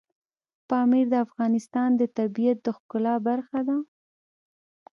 پامیر د افغانستان د طبیعت د ښکلا برخه ده.